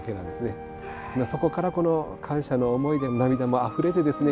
そこからこの感謝の思いで涙もあふれてですね